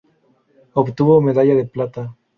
Obtuvo medalla de plata.